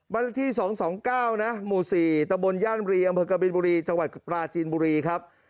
เลขที่๒๒๙นะหมู่๔ตะบนย่านรีอำเภอกบินบุรีจังหวัดปราจีนบุรีครับ